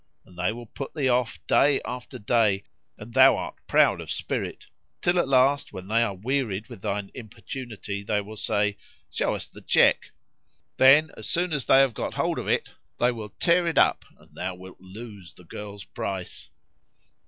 and they will put thee off day after day, and thou art proud of spirit; till at last, when they are wearied with thine importunity, they will say, 'Show us the cheque.' Then, as soon as they have got hold of it they will tear it up and so thou wilt lose the girl's price."